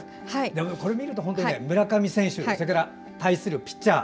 これを見ると村上選手と対するピッチャー